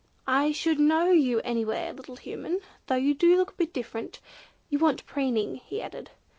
"I should know you anywhere, little Human, though you do look a bit different. You want preening," he added.